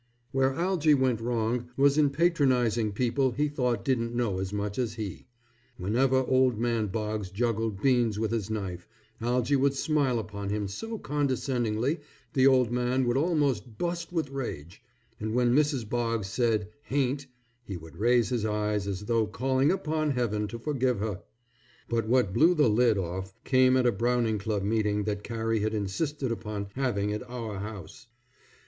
Where Algy went wrong, was in patronizing people he thought didn't know as much as he. Whenever old man Boggs juggled beans with his knife, Algy would smile upon him so condescendingly the old man would almost bust with rage; and when Mrs. Boggs said "hain't" he would raise his eyes as though calling upon heaven to forgive her; but what blew the lid off came at a Browning Club meeting that Carrie had insisted upon having at our house.